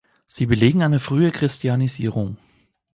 Sie belegen eine frühe Christianisierung.